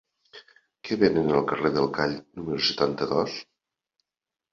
Què venen al carrer del Call número setanta-dos?